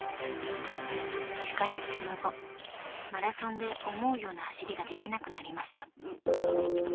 しかし、その後マラソンで思うような走りができなくなりました。